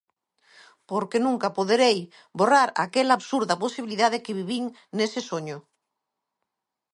Porque nunca poderei borrar aquela absurda posibilidade que vivín nese soño.